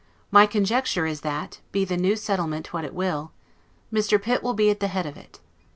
My conjecture is that, be the new settlement what it will, Mr. Pitt will be at the head of it.